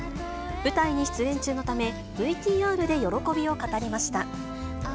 舞台に出演中のため、ＶＴＲで喜びを語りました。